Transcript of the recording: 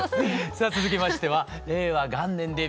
さぁ続きましては令和元年デビュー